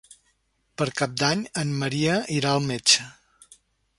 Per Cap d'Any en Maria irà al metge.